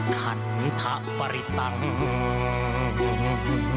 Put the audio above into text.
ภาธิบดีองค์ดำแสนสิริจันทราอนาคารเทวาวิสุทธิเทวาปู่เชมีเมตตัญจมหาละโพมิโยนาคา